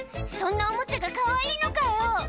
そんなおもちゃがかわいいのかよ」